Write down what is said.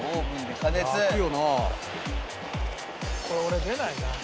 これ俺出ないな。